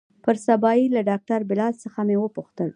پر سبا يې له ډاکتر بلال څخه مې وپوښتل.